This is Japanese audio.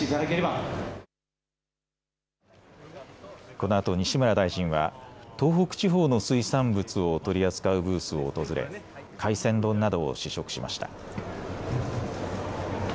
このあと西村大臣は東北地方の水産物を取り扱うブースを訪れ海鮮丼などを試食しました。